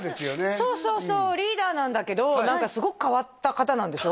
そうそうそうリーダーなんだけど何かすごく変わった方なんでしょ？